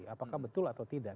apakah betul atau tidak